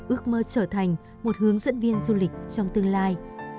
ước mơ trở thành một hướng dẫn viên du lịch trong tương lai